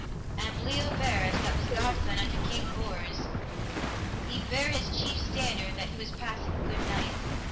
And Bleoberis, that was godson unto King Bors, he bare his chief standard, that was a passing good knight.